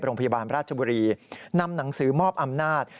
โรงพยาบาลราชบุรีนำหนังสือมอบอำนาจ